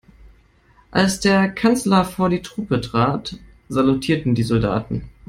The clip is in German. Als der Kanzler vor die Truppe trat, salutierten die Soldaten.